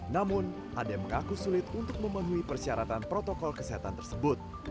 namun ada yang mengaku sulit untuk memenuhi persyaratan protokol kesehatan tersebut